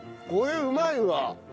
これうまいわ。